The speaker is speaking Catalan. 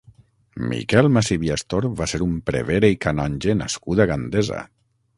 Miquel Macip i Astor va ser un prevere i canonge nascut a Gandesa.